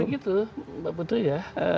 itu begitu pak putri ya